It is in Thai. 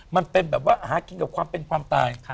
มันเป็นแบบว่าหากินกับความเป็นความตาย